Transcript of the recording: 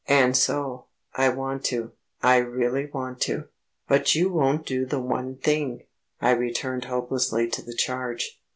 And so ... I want to; I really want to." "But you won't do the one thing," I returned hopelessly to the charge.